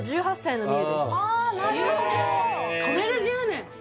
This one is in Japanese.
どーこれで１０年！